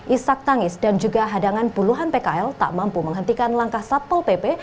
isak tangis dan juga hadangan puluhan pkl tak mampu menghentikan langkah satpol pp